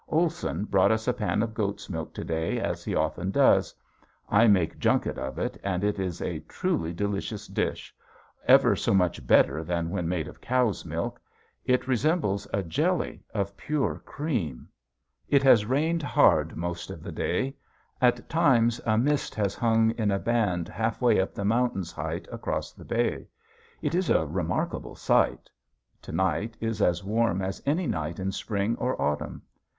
Olson brought us a pan of goat's milk to day, as he often does. I make junket of it and it is a truly delicious dish, ever so much better than when made of cow's milk. It resembles a jelly of pure cream. [Illustration: THE NORTH WIND] It has rained hard most of the day. At times a mist has hung in a band halfway up the mountain's height across the bay. It is a remarkable sight. To night is as warm as any night in spring or autumn.